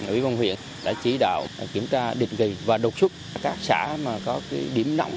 ủy ban huyện đã chỉ đạo kiểm tra định kỳ và độc xúc các xã mà có điểm nóng